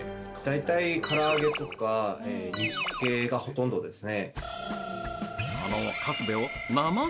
から揚げや煮付けがほとんどですね。